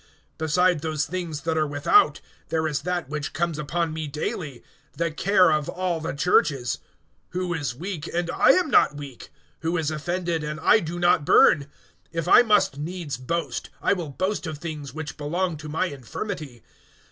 (28)Beside those things that are without, there is that which comes upon me daily, the care of all the churches. (29)Who is weak, and I am not weak? Who is offended, and I do not burn? (30)If I must needs boast, I will boast of things which belong to my infirmity.